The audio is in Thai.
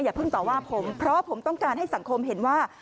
เพิ่งต่อว่าผมเพราะผมต้องการให้สังคมเห็นว่า